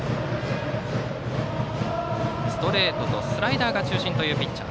ストレートとスライダーが中心というピッチャー。